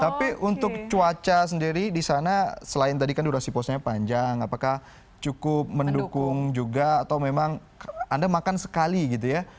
tapi untuk cuaca sendiri di sana selain tadi kan durasi puasanya panjang apakah cukup mendukung juga atau memang anda makan sekali gitu ya